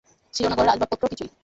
ছিল না ঘরের আসবাবপত্র কিছুই।